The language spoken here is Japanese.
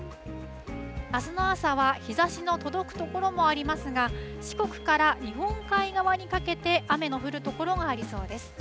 あすの朝は日ざしの届く所もありますが、四国から日本海側にかけて雨の降る所がありそうです。